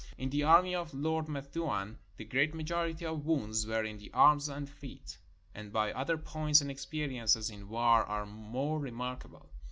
In the army of Lord Methuen the great majority of wounds were in the arms and feet; but other points and experiences in war are more remarkable.